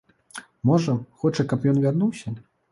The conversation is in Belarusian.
Можа, хоча, каб ён вярнуўся?